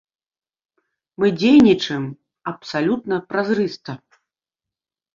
Мы дзейнічаем абсалютна празрыста.